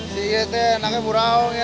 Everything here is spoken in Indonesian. si itu anaknya burawang ya